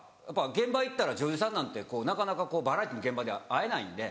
現場行ったら女優さんなんてなかなかバラエティーの現場では会えないんで。